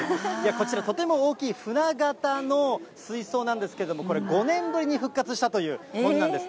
こちら、とても大きい船形の水槽なんですけれども、これ、５年ぶりに復活したというものなんです。